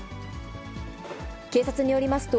警察によりますと、